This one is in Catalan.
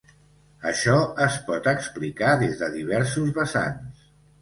Això es pot explicar des de diversos vessants.